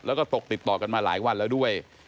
แล้วก็ตกติดต่อกันมาหลายวันแล้วด้วย